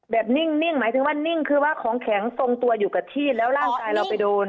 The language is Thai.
นิ่งหมายถึงว่านิ่งคือว่าของแข็งทรงตัวอยู่กับที่แล้วร่างกายเราไปโดน